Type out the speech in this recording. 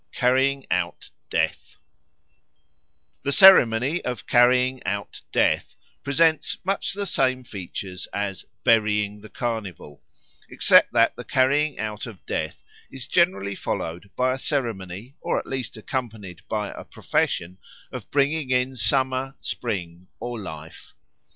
3. Carrying out Death THE CEREMONY of "Carrying out Death" presents much the same features as "Burying the Carnival"; except that the carrying out of Death is generally followed by a ceremony, or at least accompanied by a profession, of bringing in Summer, Spring, or Life.